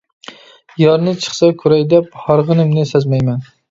يارنى چىقسا كۆرەي دەپ، ھارغىنىمنى سەزمەيمەن.